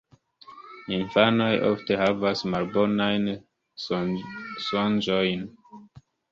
Infanoj ofte havas malbonajn sonĝojn.